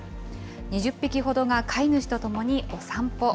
２０匹ほどが飼い主と共にお散歩。